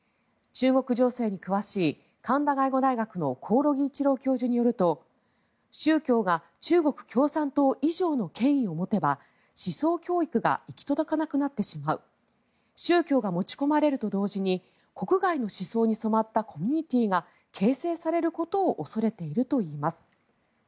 中国情勢に詳しい神田外語大学の興梠一郎教授によると宗教が中国共産党以上の権威を持てば思想教育が行き届かなくなってしまう宗教が持ち込まれると同時に国外の思想に染まったコミュニティーが形成されることを恐れているといいます。